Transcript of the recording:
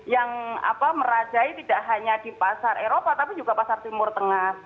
yang merajai tidak hanya di pasar eropa tapi juga pasar timur tengah